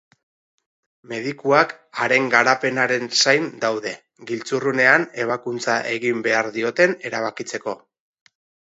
Medikuak haren garapenaren zain daude, giltzurrunean ebakuntza egin behar dioten erabakitzeko.